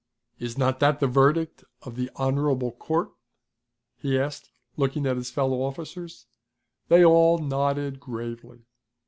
"Is not that the verdict of the honorable court?" he asked, looking at his fellow officers. They all nodded gravely.